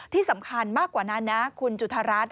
ที่สำคัญมากกว่านั้นนะคุณจุธารัฐ